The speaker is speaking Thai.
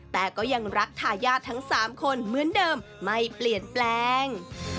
แต่ก็ยังรักทายาททั้ง๓คนเหมือนเดิมไม่เปลี่ยนแปลง